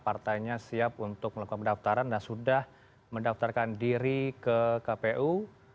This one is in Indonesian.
partainya siap untuk melakukan pendaftaran dan sudah mendaftarkan diri ke kpu